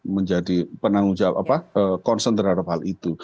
menjadi penanggung jawab apa konsentrasi terhadap hal itu